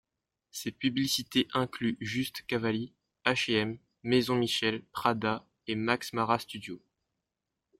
Ses publicités incluent Just Cavalli, H&M, Maison Michel, Prada et Max Mara Studio.